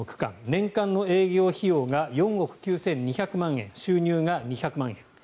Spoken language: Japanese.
年間の営業費用が４億９２００万円収入が２００万円。